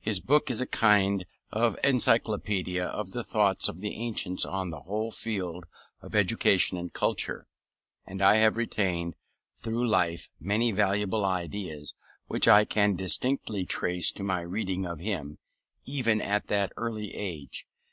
His book is a kind of encyclopaedia of the thoughts of the ancients on the whole field of education and culture; and I have retained through life many valuable ideas which I can distinctly trace to my reading of him, even at that early age.